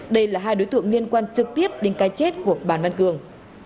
đây là hai đối tượng liên quan trực tiếp đến cái chết của bàn văn cường